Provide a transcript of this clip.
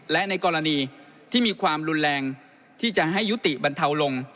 และในกรณีที่มีความรุนแรงที่จะให้ยุติบรรเทาลง